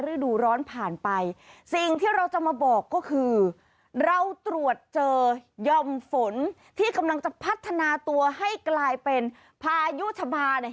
ฤดูร้อนผ่านไปสิ่งที่เราจะมาบอกก็คือเราตรวจเจอย่อมฝนที่กำลังจะพัฒนาตัวให้กลายเป็นพายุชะบาเนี่ย